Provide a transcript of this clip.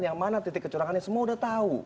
yang mana titik kecurangannya semua udah tahu